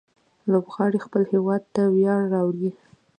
لوبغاړي خپل هيواد ته ویاړ راوړي.